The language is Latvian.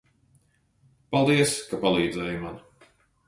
Paldies, ka palīdzēji man!